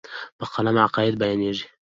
په قلم عقاید بیانېږي.